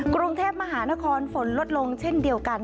กรุงเทพมหานครฝนลดลงเช่นเดียวกัน